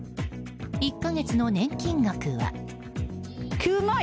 １か月の年金額は。